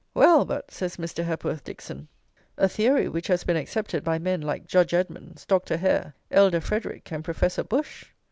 "Well, but," says Mr. Hepworth Dixon, "a theory which has been accepted by men like Judge Edmonds, Dr. Hare, Elder Frederick, and Professor Bush!"